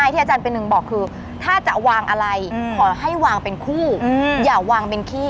พี่จังแบบหนึ่งบอกถ้าจะวางอะไรขอให้วางเป็นคู่อย่าวางเป็นคี่